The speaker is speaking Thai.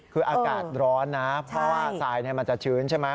คืออากาศร้อนนะเพราะว่าทรายมันจะชื้นใช่ไหม